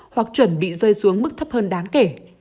hoặc chuẩn bị rơi xuống mức thấp hơn đáng kể